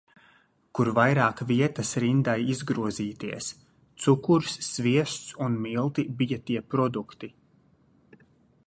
Kur vairāk vietas rindai izgrozīties. Cukurs, sviests un milti bija tie produkti.